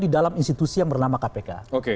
di dalam institusi yang bernama kpk